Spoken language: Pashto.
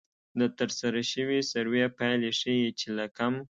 د ترسره شوې سروې پایلې ښيي چې له کم